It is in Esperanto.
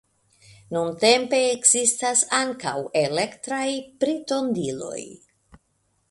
Nuntempe ekzistas ankaŭ elektraj pritondiloj.